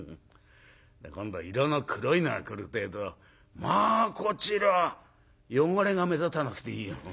今度色の黒いのが来るってえと「まあこちら汚れが目立たなくていいよ」。